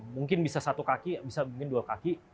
mungkin bisa satu atau dua kaki